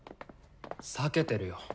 避けてるよ。